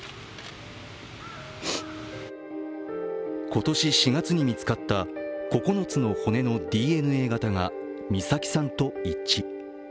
今年４月に見つかった９つの骨のＤＮＡ型が美咲さんと一致。